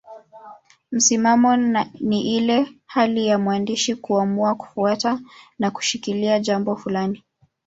Msimamo ni ile hali ya mwandishi kuamua kufuata na kushikilia jambo fulani.